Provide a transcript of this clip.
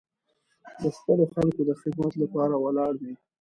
د خپلو خلکو د خدمت لپاره ولاړ و.